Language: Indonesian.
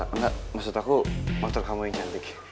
enggak maksud aku motor kamu yang cantik